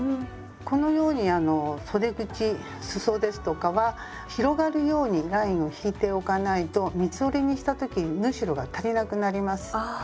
このようにあのそで口すそですとかは広がるようにラインを引いておかないと三つ折りにした時に縫い代が足りなくなります。